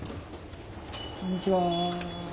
こんにちは。